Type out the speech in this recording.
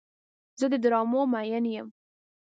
زه د ډرامو مین یم.